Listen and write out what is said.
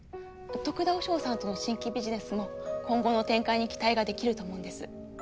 得田和尚さんとの新規ビジネスも今後の展開に期待ができると思うんです。